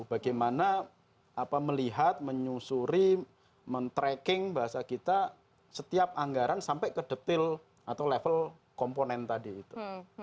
bagaimana melihat menyusuri men tracking bahasa kita setiap anggaran sampai ke detail atau level komponen tadi itu